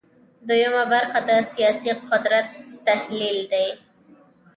دویمه برخه د سیاسي قدرت تحلیل دی.